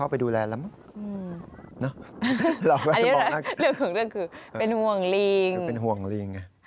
เป็นห่วงลิง